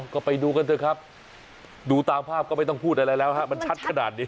ก็ไปดูกันเถอะครับดูตามภาพก็ไม่ต้องพูดอะไรแล้วฮะมันชัดขนาดนี้